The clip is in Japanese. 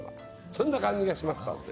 そんな感じがしましたんで。